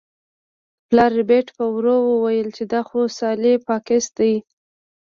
پلار ربیټ په ورو وویل چې دا خو سلای فاکس دی